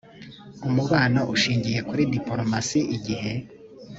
umubano ushingiye kuri dipolomasi igihe